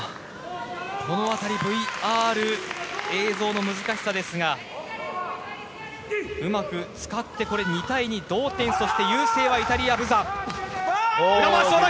この辺りＶＲ、映像の難しさですがうまく使って２対２同点そして優勢はイタリア、ブザ。